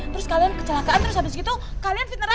terus kalian kecelakaan terus abis itu kalian fineradit ya kan